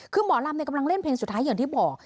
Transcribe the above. คือหมอลำกำลังเล่นเพลงสุดท้ายอย่างที่บอก